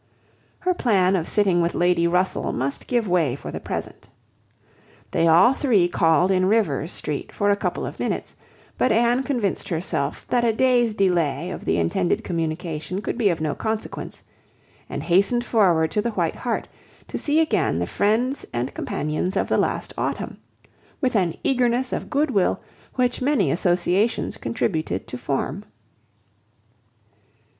Her plan of sitting with Lady Russell must give way for the present. They all three called in Rivers Street for a couple of minutes; but Anne convinced herself that a day's delay of the intended communication could be of no consequence, and hastened forward to the White Hart, to see again the friends and companions of the last autumn, with an eagerness of good will which many associations contributed to form.